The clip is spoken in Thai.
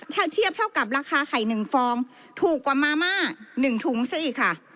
ถ้าเทียบเท่ากับราคาไข่๑ฟองถูกกว่ามาม่า๑ถุงซะอีกค่ะ